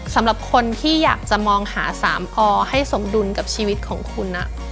สำหรับคนที่อยากจะมองหา๓อให้สมดุลกับชีวิตของคุณ